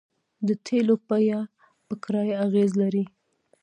د تیلو بیه په کرایه اغیز لري